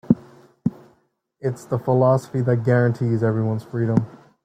It's the philosophy that guarantees everyone's freedom.